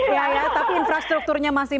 iya tapi infrastrukturnya masih